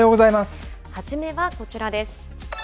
初めはこちらです。